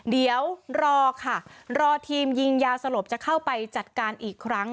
เดี๋ยวรอค่ะรอทีมยิงยาสลบจะเข้าไปจัดการอีกครั้ง